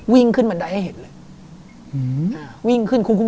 วิ่งขึ้นบันไดให้เห็น